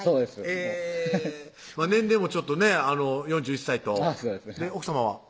えぇ年齢もちょっとね４１歳と奥さまは？